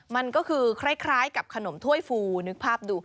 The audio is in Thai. มันก็คือคล้ายกับขนมถ้วยฟูนึกภาพดู